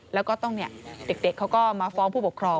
แล้วก็ต้องเด็กเขาก็มาฟ้องผู้ปกครอง